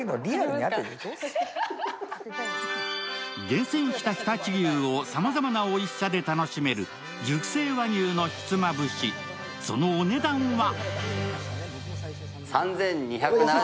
厳選した常陸牛をさまざまなおいしさで楽しめる熟成和牛のひつまぶし、そのお値段は？